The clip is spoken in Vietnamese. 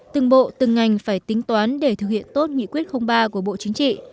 từng bộ từng ngành phải tính toán để thực hiện tốt nghị quyết ba của bộ chính trị